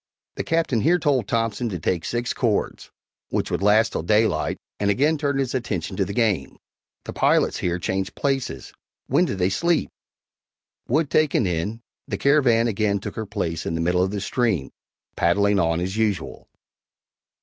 The Captain here told Thompson to take six cords, which would last till daylight and again turned his attention to the game. The pilots here changed places. When did they sleep? Wood taken in, the Caravan again took her place in the middle of the stream, paddling on as usual.